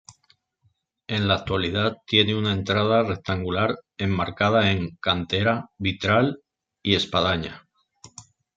En la actualidad tiene una entrada rectangular enmarcada en cantera, vitral y espadaña.